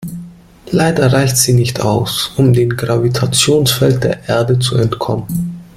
Leider reicht sie nicht aus, um dem Gravitationsfeld der Erde zu entkommen.